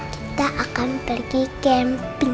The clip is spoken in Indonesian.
kita akan pergi camping